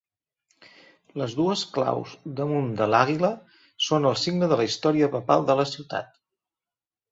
Les dues claus damunt de l'àguila són el signe de la història papal de la ciutat.